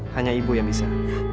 hanya ibu yang bisa